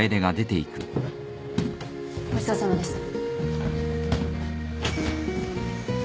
ごちそうさまでした。